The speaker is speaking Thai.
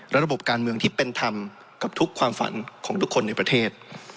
ระบบการเมืองที่เป็นธรรมกับทุกความฝันของทุกคนในประเทศ